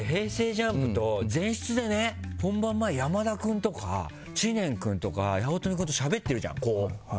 ＪＵＭＰと前室で、本番前山田君とか、知念君とか八乙女君としゃべってるじゃん。